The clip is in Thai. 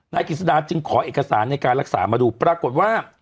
นายกิจสดาจึงขอเอกสารในการรักษามาดูปรากฏว่า